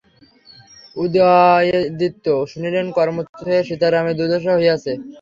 উদয়াদিত্য শুনিলেন কর্মচ্যুত হইয়া সীতারামের দুর্দশা হইয়াছে।